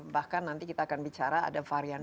bahkan nanti kita akan bicara ada varian